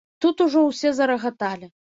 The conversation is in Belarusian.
Тут ужо ўсе зарагаталі.